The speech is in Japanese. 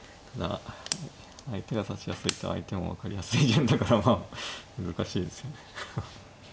相手が指しやすいと相手も分かりやすい順だからまあ難しいですよね。